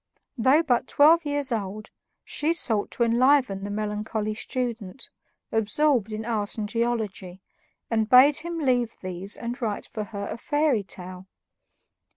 Though but twelve years old, she sought to enliven the melancholy student, absorbed in art and geology, and bade him leave these and write for her a fairy tale.